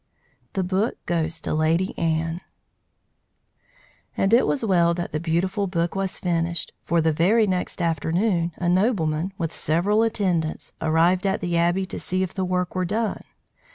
THE BOOK GOES TO LADY ANNE AND it was well that the beautiful book was finished, for the very next afternoon a nobleman, with several attendants, arrived at the Abbey to see if the work were done.